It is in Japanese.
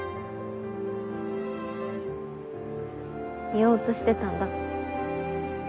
言おうとしてたんだ。